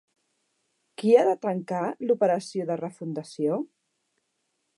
Qui ha de tancar l'operació de refundació?